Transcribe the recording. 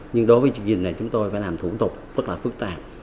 nhưng đối với trực diện này chúng tôi phải làm thủ tục rất là phức tạp